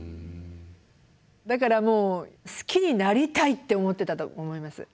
だからもう好きになりたいって思ってたと思います。